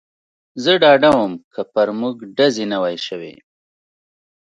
زه ډاډه ووم، که پر موږ ډزې نه وای شوې.